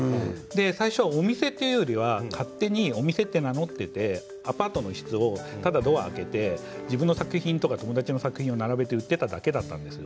最初はお店というよりは勝手にお店と名乗っていてアパートの一室をただドアを開けて自分の作品とか友達の作品を並べておいていただけだったんです。